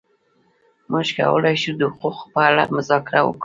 موږ کولای شو د حقوقو په اړه مذاکره وکړو.